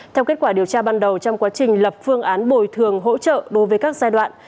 theo kết quả điều tra ban đầu trong quá trình lập phương án bồi thường hỗ trợ đối với các giai đoạn